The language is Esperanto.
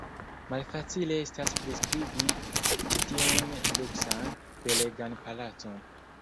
Malfacile estas priskribi ĉi tiun luksan, belegan palacon.